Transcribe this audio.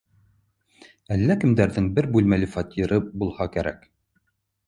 Әллә кемдәрҙең бер бүлмәле фатиры булһа кәрәк